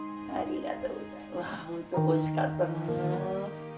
本当おいしかったなあ。